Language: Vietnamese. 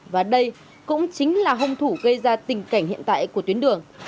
và đây cũng chính là hung thủ gây ra tình cảnh hiện tại của tuyến đường